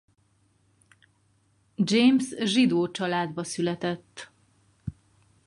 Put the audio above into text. James zsidó családba született.